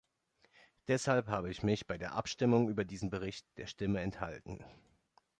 Deshalb habe ich mich bei der Abstimmung über diesen Bericht der Stimme enthalten.